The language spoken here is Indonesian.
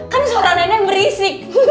kan suara neneng berisik